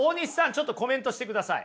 ちょっとコメントしてください。